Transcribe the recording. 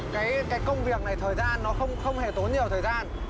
cái công việc này thời gian nó không hề tốn nhiều thời gian